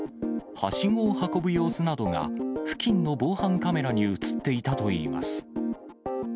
はしごを運ぶ様子などが付近の防犯カメラに写っていたといいます。